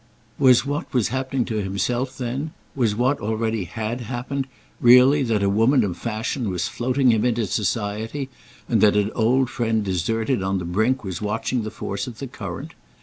Was what was happening to himself then, was what already had happened, really that a woman of fashion was floating him into society and that an old friend deserted on the brink was watching the force of the current?